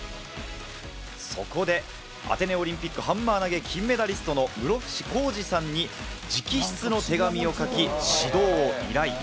そこでアテネオリンピックハンマー投げ金メダリストの室伏広治さんに直筆の手紙を書き、指導を依頼。